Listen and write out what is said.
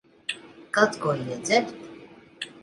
Kaut ko iedzert?